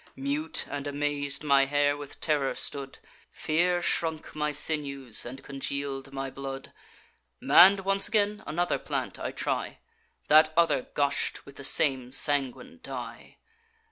Mute and amaz'd, my hair with terror stood; Fear shrunk my sinews, and congeal'd my blood. Mann'd once again, another plant I try: That other gush'd with the same sanguine dye.